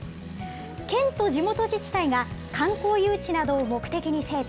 県と地元自治体が、観光誘致などを目的に整備。